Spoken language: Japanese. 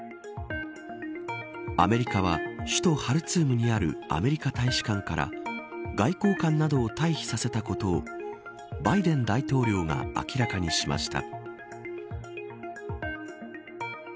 アメリカは、首都ハルツームにあるアメリカ大使館から外交官などを退避させたことをバイデン大統領が明らかにしました。